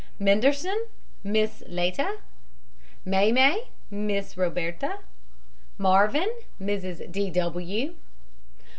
MENDERSON, MISS LETTA. MAIAIMY, MISS ROBERTA. MARVIN, MRS. D. W.